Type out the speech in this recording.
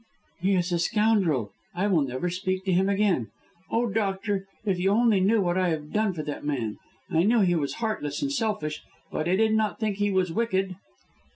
"He is a scoundrel! I will never speak to him again. Oh, doctor, if you only knew what I have done for that man. I knew he was heartless and selfish, but I did not think he was wicked."